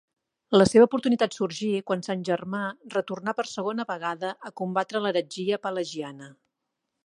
La seva oportunitat sorgí quan sant Germà retornà per segona vegada a combatre l'heretgia pelagiana.